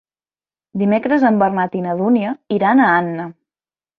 Dimecres en Bernat i na Dúnia iran a Anna.